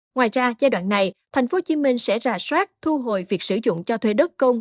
ngoài ra giai đoạn này tp hcm sẽ rà soát thu hồi việc sử dụng cho thuê đất công